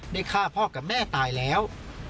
ฆ่าพ่อกับแม่ตายแล้ว